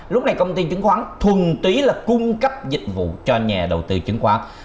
lúc này công ty chứng khoán thuần túy là cung cấp dịch vụ cho nhà đầu tư chứng khoán